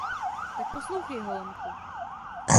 Tak poslouchej, holomku.